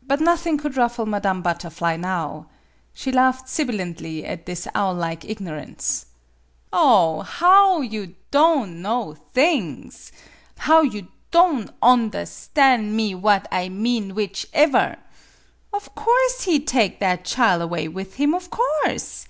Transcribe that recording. But nothing could ruffle Madame Butterfly now. She laughed sibilantly at this owl like ignorance. " Oh h h ! How you don' know things ! How you don' onderstan' me what I mean, whichever! Of course he take that chile away with him of course!